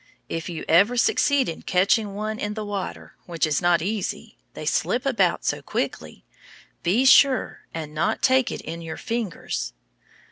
If you ever succeed in catching one in the water, which is not easy, they slip about so quickly, be sure and not take it in your fingers.